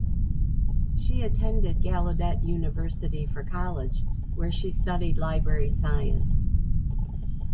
She attended Gallaudet University for college where she studied library science.